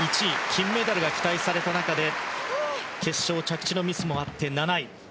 金メダルが期待された中で決勝、着地のミスもあって７位。